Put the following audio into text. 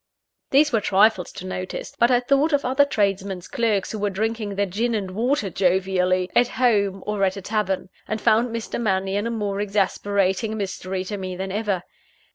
These were trifles to notice; but I thought of other tradesmen's clerks who were drinking their gin and water jovially, at home or at a tavern, and found Mr. Mannion a more exasperating mystery to me than ever.